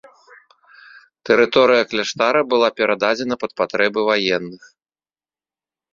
Тэрыторыя кляштара была перададзена пад патрэбы ваенных.